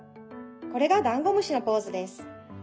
これがダンゴムシのポーズです。